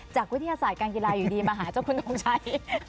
วิทยาศาสตร์การกีฬาอยู่ดีมาหาเจ้าคุณทงชัย